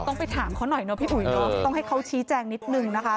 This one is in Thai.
ต้องไปถามเขาหน่อยเนาะพี่อุ๋ยเนอะต้องให้เขาชี้แจงนิดนึงนะคะ